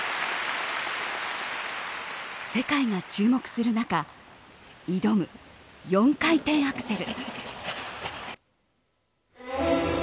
世界が注目する中挑む、４回転アクセル。